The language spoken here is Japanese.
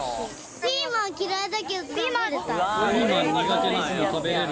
ピーマン嫌いだけど食べれた。